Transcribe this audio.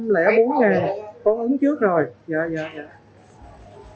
dạ ba trăm linh bốn ngàn con uống trước rồi